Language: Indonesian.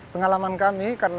pengalaman kami karena